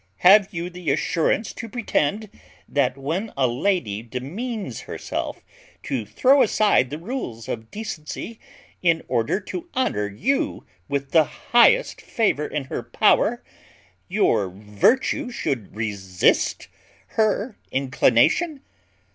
Have you the assurance to pretend, that when a lady demeans herself to throw aside the rules of decency, in order to honour you with the highest favour in her power, your virtue should resist her inclination?